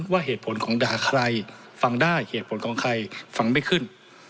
ว่าเหตุผลของด่าใครฟังได้เหตุผลของใครฟังไม่ขึ้น